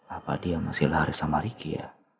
apa dia masih lari sama rikia